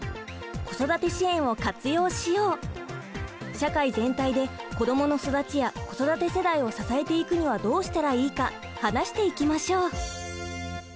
社会全体で子どもの育ちや子育て世代を支えていくにはどうしたらいいか話していきましょう！